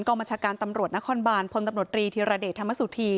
บัญชาการตำรวจนครบานพลตำรวจรีธิรเดชธรรมสุธี